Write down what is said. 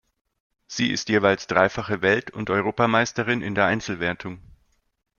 Sie ist jeweils dreifache Welt- und Europameisterin in der Einzelwertung.